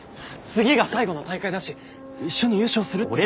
次が最後の大会だし一緒に優勝するって。